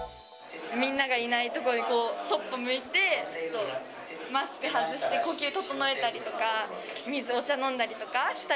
みんながいない所でこう、そっぽ向いて、ちょっとマスク外して、呼吸整えたりとか、水、お茶を飲んだりとか。